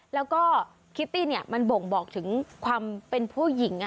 แล้วก็คิตตี้มันบ่งบอกถึงความเป็นผู้หญิง